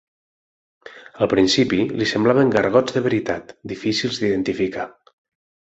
Al principi li semblen gargots de veritat, difícils d'identificar.